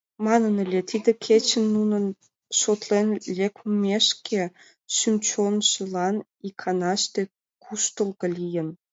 — Манын ыле: тиде кечын, нуным шотлен лекмекше, шӱм-чонжылан иканаште куштылго лийын.